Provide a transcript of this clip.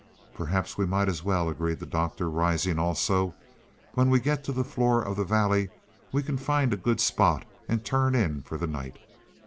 "Perhaps we might as well," agreed the Doctor, rising also. "When we get to the floor of the valley, we can find a good spot and turn in for the night."